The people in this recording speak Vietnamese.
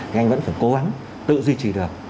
thì anh vẫn phải cố gắng tự duy trì được